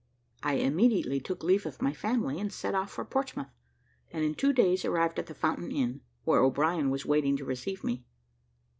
I immediately took leave of my family, and set off for Portsmouth, and in two days arrived at the Fountain Inn, where O'Brien was waiting to receive me.